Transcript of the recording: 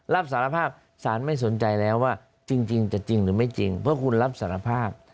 รับสารภาพสารไม่สนใจแล้วว่าจริงจะจริงหรือไม่จริงเพราะคุณรับสารภาพ